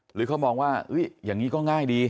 หรือเขามองว่าอย่างนี้ก็ง่ายดี